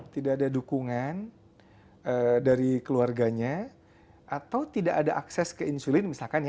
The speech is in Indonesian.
tidak ada dukungan dari keluarganya atau tidak ada akses ke insulin misalkan